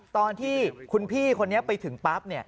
ตอนที่คุณพี่คนนี้ไปถึงปั๊บ